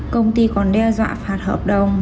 công ty còn đe dọa phạt hợp đồng